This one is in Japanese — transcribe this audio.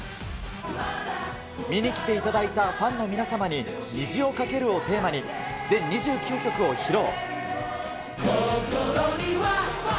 見に来ていただいたファンの皆様に、虹をかけるをテーマに、全２９曲を披露。